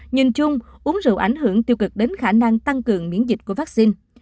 nhìn chung uống rượu ảnh hưởng tiêu cực đến khả năng tăng cường miễn dịch của vaccine